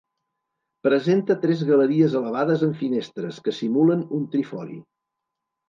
Presenta tres galeries elevades amb finestres, que simulen un trifori.